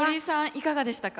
いかがでしたか？